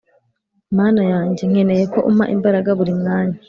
Mana yanjye nkeneye ko umpa imbaraga buri mwanya